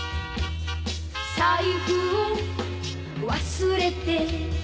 「財布を忘れて」